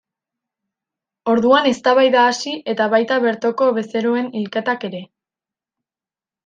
Orduan eztabaida hasi eta baita bertoko bezeroen hilketak ere.